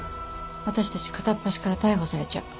私たち片っ端から逮捕されちゃう。